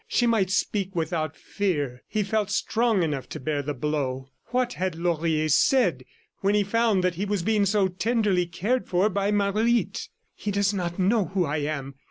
She might speak without fear. He felt strong enough to bear the blow. ... What had Laurier said when he found that he was being so tenderly cared for by Marguerite? ... "He does not know who I am.